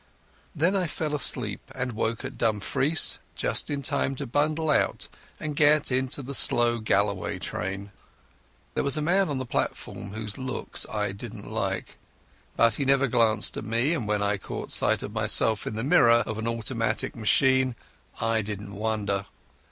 Then I fell asleep and woke at Dumfries just in time to bundle out and get into the slow Galloway train. There was a man on the platform whose looks I didn't like, but he never glanced at me, and when I caught sight of myself in the mirror of an automatic machine I didn't wonder.